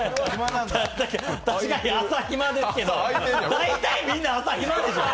確かに朝暇ですけど、大体朝みんな暇でしょう。